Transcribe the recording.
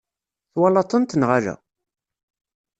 Twalaḍ-tent neɣ ala?